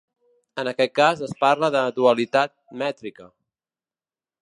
En aquest cas es parla de dualitat mètrica.